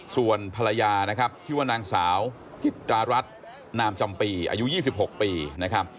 ส่วนภรรยานะครับชื่อว่านางสาวจิตรารัฐนามจำปีอายุ๒๖ปีนะครับ